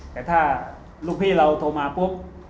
แต่ถ้าลูกพี่เราโทรมาปุ๊บ